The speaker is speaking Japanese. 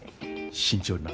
慎重にな。